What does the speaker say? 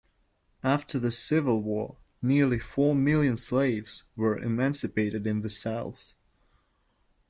After the Civil War, nearly four million slaves were emancipated in the South.